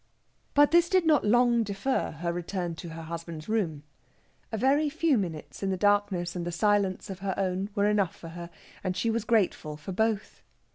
But this did not long defer her return to her husband's room. A very few minutes in the darkness and the silence of her own were enough for her, and she was grateful for both.